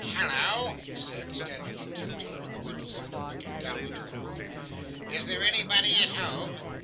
'Hallo!' he said, standing on tip toe on the window sill, and looking down into the room. 'Is there anybody at home?